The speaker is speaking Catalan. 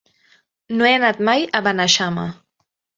No he anat mai a Beneixama.